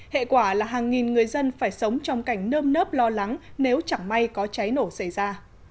hệ quả là hàng nghìn người dân phải sống trong cảnh nơm nớp lo lắng nếu chẳng may có cháy nổ xảy ra